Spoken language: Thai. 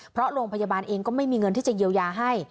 เพราะโรงพยาบาลเองก็ไม่มีเงินที่จะเยียวยาให้